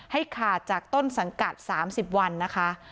ให้ขาดจากต้นสังกัด๓๐วันนะคะ